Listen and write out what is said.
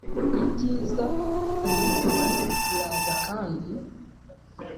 ibyiza inzitizi ziraza kandi